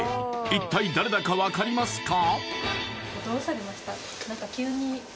一体誰だか分かりますか？